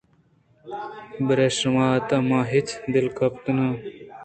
پرے شہمات ءَ من ہچ دل تپّرکہ نہ آں